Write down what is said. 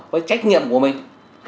với trách nhiệm của mình